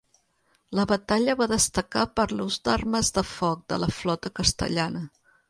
La batalla va destacar per l'ús d'armes de foc de la flota castellana.